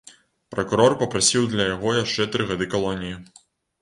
Пракурор папрасіў для яго яшчэ тры гады калоніі.